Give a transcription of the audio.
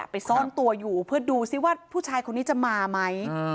ซ่อนตัวอยู่เพื่อดูซิว่าผู้ชายคนนี้จะมาไหม